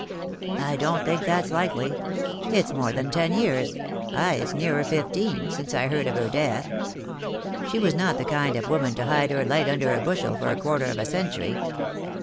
"I don't think that's likely. It's more than ten years —ay, it's nearer fifteen — since I heard of her death. She was not the kind of woman to hide her light under a bushel for a quarter of a century.